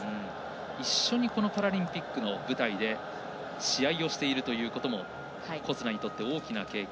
一緒にパラリンピックの舞台で試合をしているということも小須田にとって大きな経験。